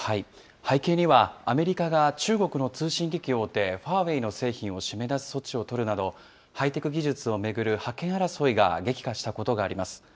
背景には、アメリカが中国の通信機器大手、ファーウェイの商品を締め出す措置を取るなど、はいてきぎじゅつをめぐるハイテク技術を巡る覇権争いが激化したことがあります。